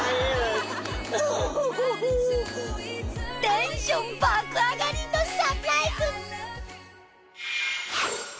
テンション爆上がりのサプライズ！